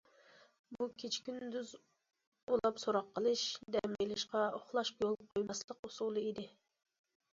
بۇ كېچە- كۈندۈز ئۇلاپ سوراق قىلىش، دەم ئېلىشقا، ئۇخلاشقا يول قويماسلىق ئۇسۇلى ئىدى.